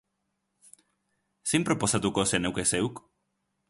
Zein proposatuko zenuke zeuk?